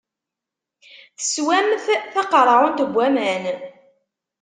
Teswamt taqeṛɛunt n waman.